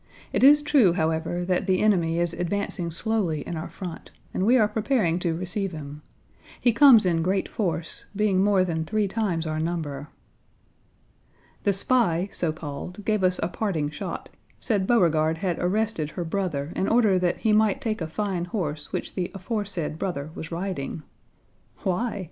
It is true, however, that the enemy is advancing slowly in our front, and we are preparing to receive him. He comes in great force, being more than three times our number." The spy, so called, gave us a parting shot: said Beauregard had arrested her brother in order that he might take a fine horse which the aforesaid brother was riding. Why?